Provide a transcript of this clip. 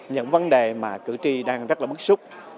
những vấn đề mà cử tri đang rất là bức xúc